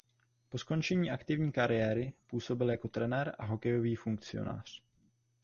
Po skončení aktivní kariéry působil jako trenér a hokejový funkcionář.